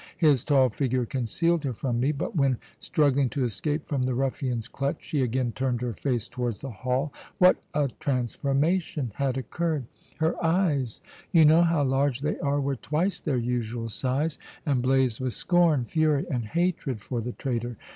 His tall figure concealed her from me. But when, struggling to escape from the ruffian's clutch, she again turned her face towards the hall, what a transformation had occurred! Her eyes you know how large they are were twice their usual size, and blazed with scorn, fury, and hatred for the traitor.